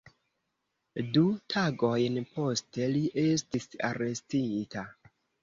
Du tagojn poste, li estis arestita.